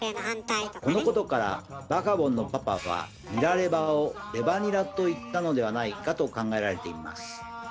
このことからバカボンのパパは「ニラレバ」を「レバニラ」と言ったのではないかと考えられています。